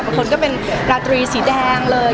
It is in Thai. คนก็เป็นราตรีสีแดงเลย